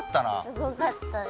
すごかったです。